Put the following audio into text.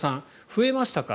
増えましたか。